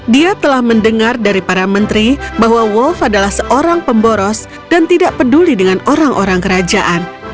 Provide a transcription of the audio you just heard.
dia telah mendengar dari para menteri bahwa wolf adalah seorang pemboros dan tidak peduli dengan orang orang kerajaan